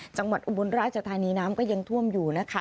อุบลราชธานีน้ำก็ยังท่วมอยู่นะคะ